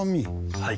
はい。